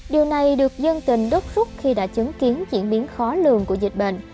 điều này được dân tình đốt suốt khi đã chứng kiến diễn biến khó lường của dịch bệnh